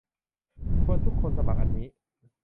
ชวนทุกคนสมัครอันนี้